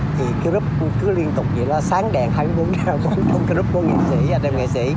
thì group cứ liên tục sáng đèn hai mươi bốn h trong group của nghệ sĩ anh em nghệ sĩ